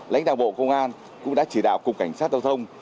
lãnh đảng bộ công an cũng đã chỉ đạo cục cảnh sát tàu thông